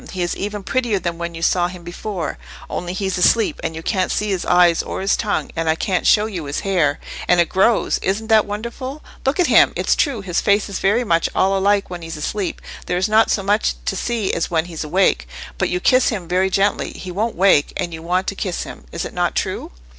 He is even prettier than when you saw him before—only he's asleep, and you can't see his eyes or his tongue, and I can't show you his hair—and it grows—isn't that wonderful? Look at him! It's true his face is very much all alike when he's asleep, there is not so much to see as when he's awake. If you kiss him very gently, he won't wake: you want to kiss him, is it not true?"